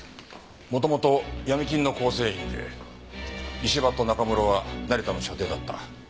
元々闇金の構成員で石場と中室は成田の舎弟だった。